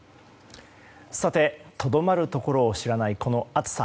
とどまるところを知らないこの暑さ。